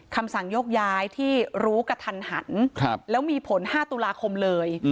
คำสั่งโยกย้ายที่รู้กระทันหันแล้วมีผล๕ตุลาคมเลย